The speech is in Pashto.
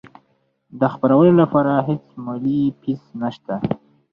د خپرولو لپاره هیڅ مالي فیس نشته.